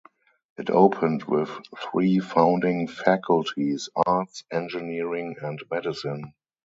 It opened with three founding faculties, Arts, Engineering and Medicine.